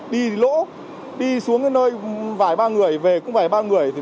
đi lỗ đi xuống nơi vài ba người về cũng vài ba người